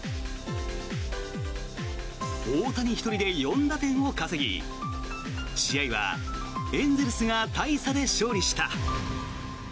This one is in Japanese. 大谷１人で４打点を稼ぎ試合はエンゼルスが大差で勝利した。